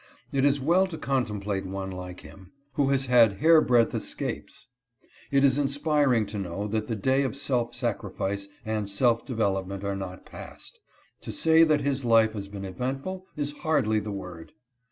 It is well to contemplate one like him, who has had "hair breadth' escapes." It is inspiring to know that the day of self sacrifice and' self development are not passed. To say that his life has been eventful, is hardly the word.